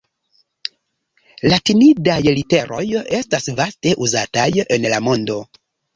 Latinidaj literoj estas vaste uzataj en la mondo.